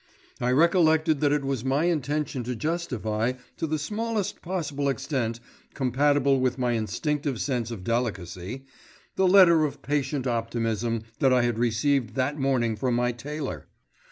I recollected that it was my intention to justify, to the smallest possible extent compatible with my instinctive sense of delicacy, the letter of patient optimism that I had received that morning from my tailor.